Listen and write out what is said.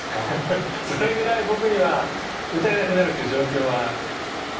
それぐらい僕には歌えなくなるっていう状況は嫌だったんですよ。